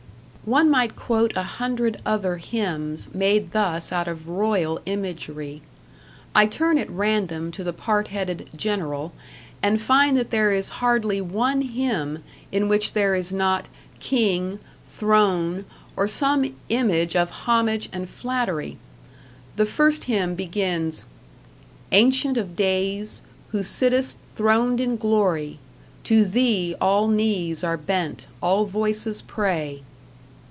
One might quote a hundred other hymns made thus out of royal imagery. I turn at random to the part headed "General," and find that there is hardly one hymn in which there is not "king," "throne," or some image of homage and flattery. The first hymn begins Ancient of days, Who sittest, throned in glory; To Thee all knees are bent, all voices pray.